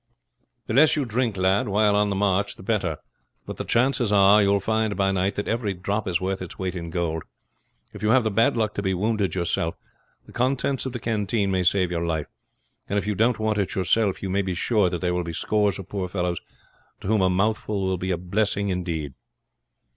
"The less you drink, lad, while on the march the better; but the chances are you will find by night that every drop is worth its weight in gold. If you have the bad luck to be wounded yourself, the contents of the canteen may save your life; and if you don't want it yourself, you may be sure that there will be scores of poor fellows to whom a mouthful will be a blessing indeed."